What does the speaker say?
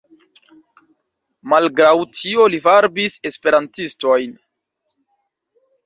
Malgraŭ tio li varbis Esperantistojn.